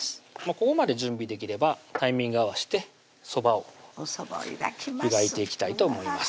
ここまで準備できればタイミング合わしてそばをおそばを湯がきます湯がいていきたいと思います